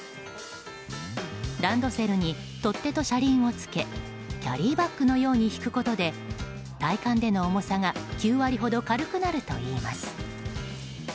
ランドセルに取っ手と車輪をつけキャリーバッグのように引くことで体感での重さが９割ほど軽くなるといます。